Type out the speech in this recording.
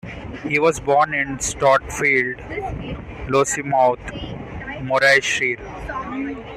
He was born in Stotfield, Lossiemouth, Morayshire.